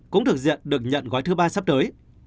cũng thuộc diện được nhận gói thứ ba sắp tới